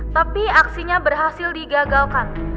tapi aksinya berhasil digagalkan